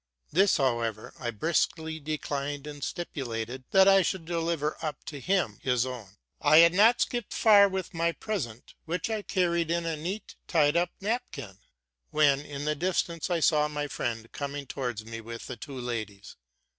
This, however, I briskly declined, and stipulated that I should deliver up to him his own. I had not skipped far with my present, which I carried in a neat tied up napkin, when, in the distance, I saw my friend coming towards me with the two ladies.